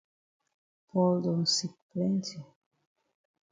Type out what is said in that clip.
Paul don sick plenti.